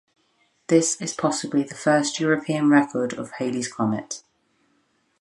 This is possibly the first European record of Halley's comet.